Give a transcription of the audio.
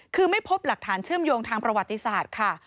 คือไม่พบหลักฐานเชื่อมโยงทางประวัติศาสตร์ค่ะ